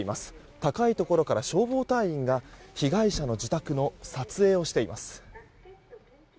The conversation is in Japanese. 高いところから消防隊員が被害者の自宅の撮影をしています。